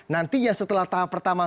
nantinya setelah tahap pertama